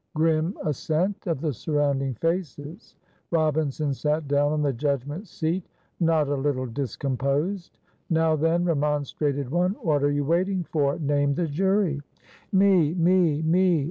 Grim assent of the surrounding faces; Robinson sat down on the judgment seat not a little discomposed. "Now then," remonstrated one; "what are you waiting for? Name the jury." "Me!" "Me!" "Me!"